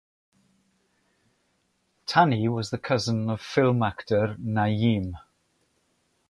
Tani was the cousin of film actor Nayeem.